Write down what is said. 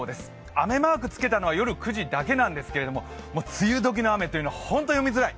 雨マークつけたのは夜９時だけなんですけど、梅雨時の雨というのは本当に読みづらい。